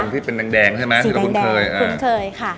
ที่เป็นแดงใช่ไหมที่เราคุ้นเคยคุ้นเคยค่ะ